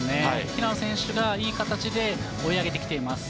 平野選手がいい形で追い上げてきています。